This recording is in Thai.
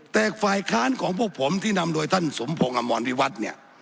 แต่ฝ่ายค้านของพวกผมที่นำโดยท่านสมพงศ์อมรวิวัตรเนี่ย